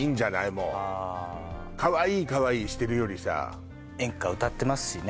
もうかわいいかわいいしてるよりさ演歌歌ってますしね